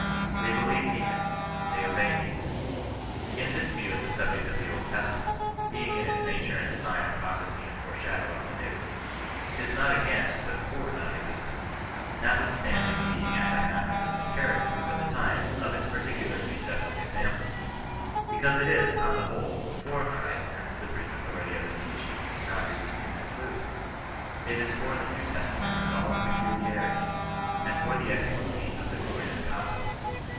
They be lieve neither : they obey neither. In this view of the subject the Old Testament, being in its nature and design a prophecy and foreshadow of the New, is not against but /or non resistance ; notwith standing the anti non resistant character, for the time, of its particular precepts and examples. Because it is, on the whole, for Christ and the supreme authority of his teachings, non resistance included. It is for the New Testament with all its peculiarities, and for the excellency of the glorious gospel.